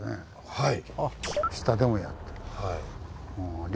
はい。